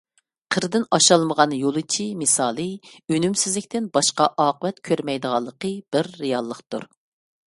«قىردىن ئاشالمىغان يولۇچى» مىسالى ئۈنۈمسىزلىكتىن باشقا ئاقىۋەت كۆرمەيدىغانلىقى بىر رېئاللىقتۇر.